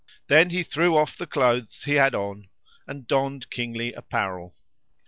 Then he threw off the clothes he had on[FN#64] and donned kingly apparel.